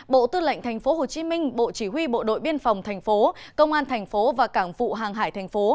bộ tư lệnh tp hcm bộ chỉ huy bộ đội biên phòng tp công an tp và cảng vụ hàng hải tp